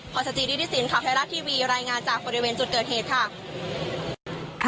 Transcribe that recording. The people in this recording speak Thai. สจิริสินข่าวไทยรัฐทีวีรายงานจากบริเวณจุดเกิดเหตุค่ะ